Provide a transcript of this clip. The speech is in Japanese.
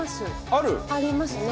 ありますね。